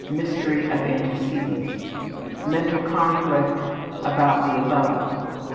Mystery of antecedents. Mental conflict about the above.